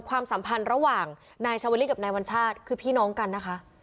ความสัมพันธ์ระหว่างนายชาวลิกับนายวัญชาติคือพี่น้องกันนะคะ